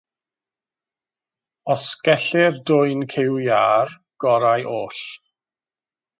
Os gellir dwyn cyw iâr, gorau oll.